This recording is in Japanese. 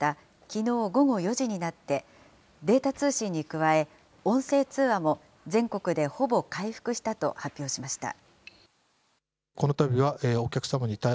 きのう午後４時になって、データ通信に加え、音声通話も全国でほぼ回復したと発表しました。